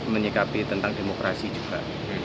menyikapi tentang demokrasi juga